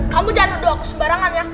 kamu jangan nunggu aku sembarangan ya